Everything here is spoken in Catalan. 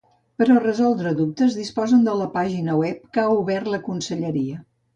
Per a resoldre dubtes disposen de la pàgina web que ha obert la conselleria.